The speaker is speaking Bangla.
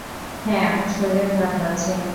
হ্যা, আমার শরীরে খারাপ লাগছে।